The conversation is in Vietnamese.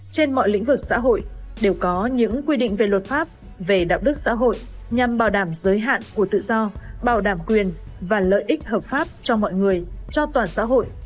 trên mọi lĩnh vực xã hội đều có những quy định về luật pháp về đạo đức xã hội nhằm bảo đảm giới hạn của tự do bảo đảm quyền và lợi ích hợp pháp cho mọi người cho toàn xã hội